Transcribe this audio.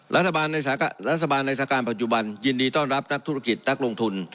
รัฐบาลในรัฐบาลในสถานการณ์ปัจจุบันยินดีต้อนรับนักธุรกิจนักลงทุน